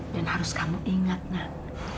dan harus kamu ingat nan